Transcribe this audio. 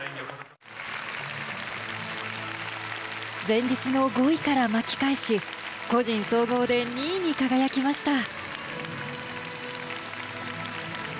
前日の５位から巻き返し個人総合で２位に輝きました。